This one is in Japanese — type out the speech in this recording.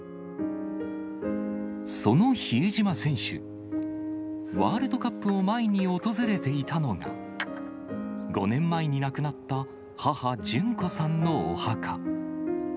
その比江島選手、ワールドカップを前に訪れていたのが、５年前に亡くなった母、淳子さんのお墓。